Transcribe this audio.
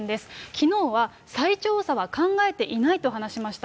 きのうは再調査は考えていないと話しました。